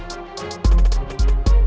sekarang rumah sakitnya dimana